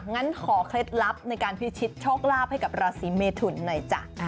งั้นขอเคล็ดลับในการพิชิตโชคลาภให้กับราศีเมทุนหน่อยจ้ะ